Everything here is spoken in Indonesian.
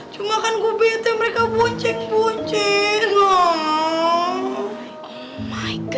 cuma kan gue bete mereka buncing buncing